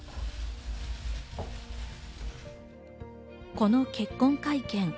この結婚会見。